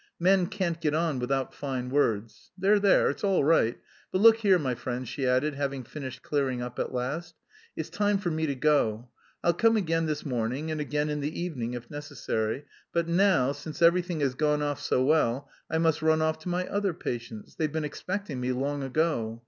Men can't get on without fine words. There, there, it's all right, but look here, my friends," she added, having finished clearing up at last, "it's time for me to go. I'll come again this morning, and again in the evening if necessary, but now, since everything has gone off so well, I must run off to my other patients, they've been expecting me long ago.